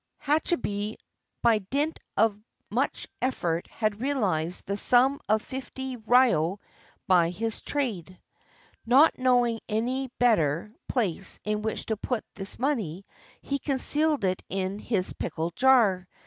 370 TADASUKE, THE JAPANESE SOLOMON Hachibei by dint of much effort had realized the sum of fifty ryo by his trade. Not knowing of any better place in which to put this money, he concealed it in his pickle jar.